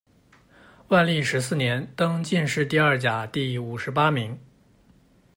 万历十四年，登进士第二甲第五十八名。